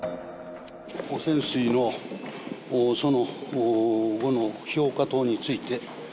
汚染水の、その後の評価等について。